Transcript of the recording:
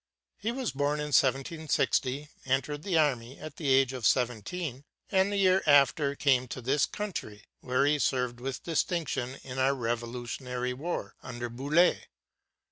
He was born in 1760, entered the army at the age of seventeen, and the year after came to this country, where he served with distinction in our Revolutionary War under Bouillié.